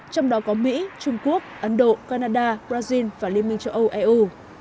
trong đó có mỹ trung quốc ấn độ canada brazil và liên minh châu âu eu